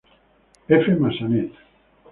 F. Massanet.